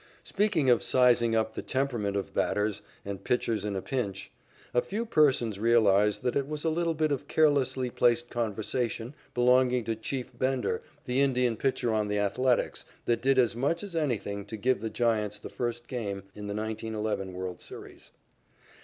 Speaking of sizing up the temperament of batters and pitchers in a pinch, few persons realize that it was a little bit of carelessly placed conversation belonging to "Chief" Bender, the Indian pitcher on the Athletics, that did as much as anything to give the Giants the first game in the 1911 world's series.